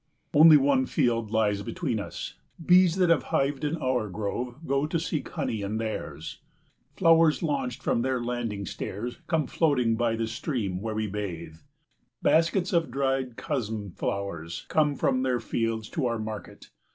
Only one field lies between us. Bees that have hived in our grove go to seek honey in theirs. Flowers launched from their landing stairs come floating by the stream where we bathe. Baskets of dried kusm flowers come from their fields to our market.